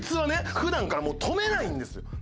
普段からもう止めないんですよ。